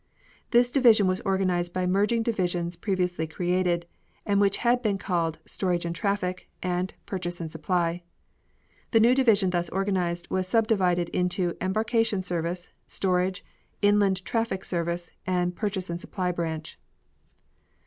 This division was organized by merging divisions previously created, and which had been called "Storage and Traffic" and "Purchase and Supply." The new division thus organized was subdivided into Embarkation Service, Storage, Inland Traffic Service, and Purchase and Supply Branch.